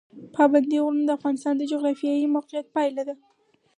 پابندی غرونه د افغانستان د جغرافیایي موقیعت پایله ده.